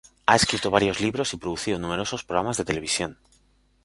Ha escrito varios libros y producido numerosos programas de televisión.